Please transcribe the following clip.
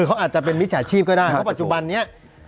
เขาอาจจะเป็นมิจฉาชีพก็ได้เพราะปัจจุบันนี้